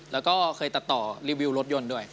แล้วก็เคยตัดต่อรีวิวรถยนต์ด้วย